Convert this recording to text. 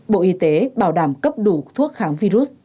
bộ y tế bảo đảm cấp đủ thuốc kháng virus